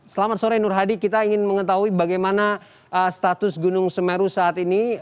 selamat sore nur hadi kita ingin mengetahui bagaimana status gunung semeru saat ini